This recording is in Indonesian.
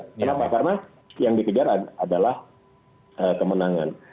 kenapa karena yang dikejar adalah kemenangan